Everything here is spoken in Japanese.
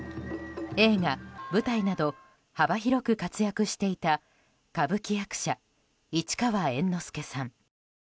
映画・舞台など幅広く活躍していた歌舞伎役者・市川猿之助さん。